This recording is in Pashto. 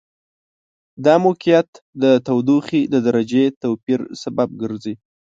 دا موقعیت د تودوخې د درجې توپیر سبب ګرځي.